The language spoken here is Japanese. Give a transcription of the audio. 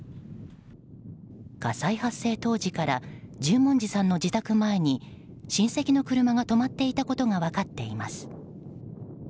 火災発生当時から十文字さんの自宅前に親戚の車が止まっていたことが分かっています。